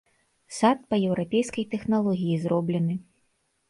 Сад па еўрапейскай тэхналогіі зроблены.